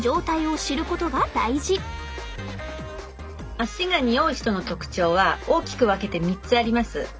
足がにおう人の特徴は大きく分けて３つあります。